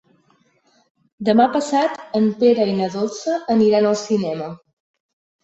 Demà passat en Pere i na Dolça aniran al cinema.